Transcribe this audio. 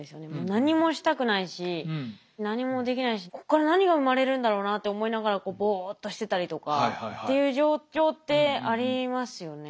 何もしたくないし何もできないしここから何が生まれるんだろうなって思いながらこうぼっとしてたりとかっていう状況ってありますよね。